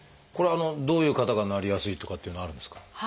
これはどういう方がなりやすいとかっていうのはあるんですか？